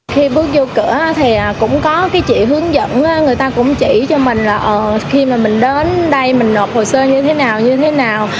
khi bước vô cửa thì cũng có cái chị hướng dẫn người ta cũng chỉ cho mình là khi mà mình đến đây mình nộp hồ sơ như thế nào như thế nào